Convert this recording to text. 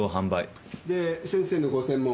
で先生のご専門は？